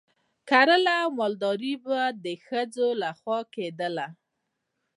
کرکیله او مالداري د ښځینه وو لخوا کیدله.